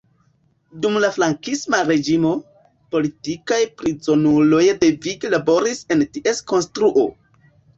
Dum la Frankisma reĝimo, politikaj prizonuloj devige laboris en ties konstruo.